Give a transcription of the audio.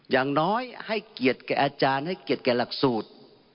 อย่างน้อยให้เกียรติแก่อาจารย์ให้เกียรติแก่หลักสูตร